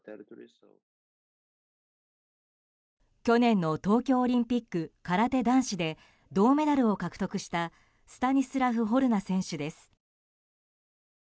去年の東京オリンピック空手男子で、銅メダルを獲得したスタニスラフ・ホルナ選手です。